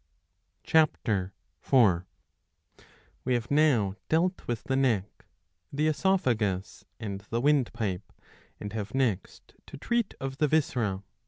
^'' (CA. 4.) We have now dealt with the neck, the oesophagus, and the windpipe, and have next to treat of the viscera.